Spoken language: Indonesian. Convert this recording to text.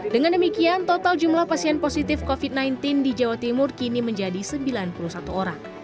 dengan demikian total jumlah pasien positif covid sembilan belas di jawa timur kini menjadi sembilan puluh satu orang